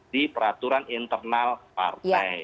di peraturan internal partai